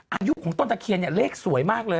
อายุของต้นตะเคียนเนี่ยเลขสวยมากเลย